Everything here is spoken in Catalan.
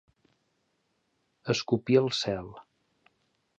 Escopir al cel.